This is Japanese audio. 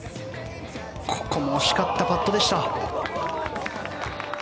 ここも惜しかったパットでした。